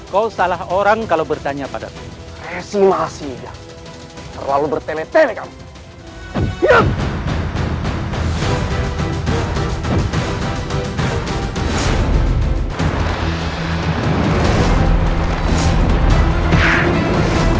kau salah orang kalau bertanya padamu resi mahasida terlalu bertele tele kamu